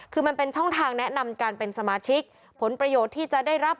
คือมันเป็นช่องทางแนะนำการเป็นสมาชิกผลประโยชน์ที่จะได้รับ